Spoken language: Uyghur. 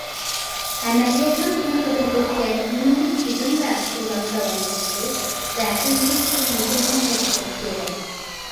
ئەمەلىيەتنىڭ سىنىقىدىن ئۆتكەن ئۈنۈملۈك تۈزۈم ۋە ئۇسۇللارنى داۋاملاشتۇرۇش ۋە ئۈزلۈكسىز مۇكەممەللەشتۈرۈش كېرەك.